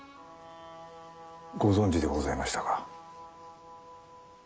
ご存じでございましたか？